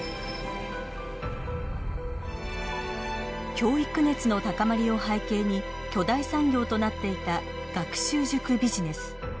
教育熱の高まりを背景に巨大産業となっていた学習塾ビジネス。